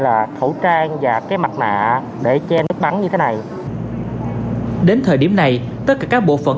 là khẩu trang và cái mặt nạ để che nước bắn như thế này đến thời điểm này tất cả các bộ phận